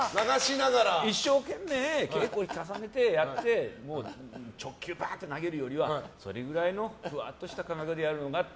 一生懸命、稽古を重ねて直球バーン！って投げるよりはそれぐらいのふわっとした形でやるのが。